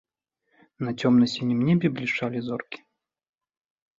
На цёмна-сінім небе блішчэлі зоркі.